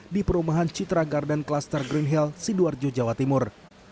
di perumahan citra garden cluster greenhill sidoarjo jawa timur